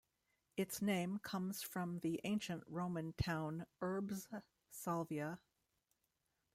Its name comes from the ancient Roman town Urbs Salvia.